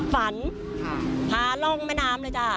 ฝันพาล่องแม่น้ำเลยจ้ะ